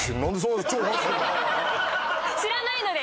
知らないので。